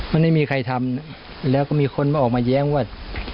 มันไม่มีใครทำแล้วก็มีคนมาออกมาแย้งว่า